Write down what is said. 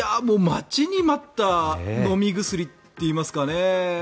待ちに待った飲み薬といいますかね。